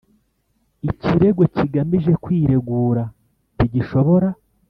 Ikirego kigamije kwiregura ntigishobora